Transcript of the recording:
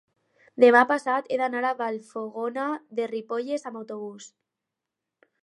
demà passat he d'anar a Vallfogona de Ripollès amb autobús.